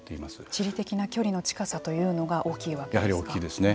地理的な距離の近さというのがやはり大きいですね。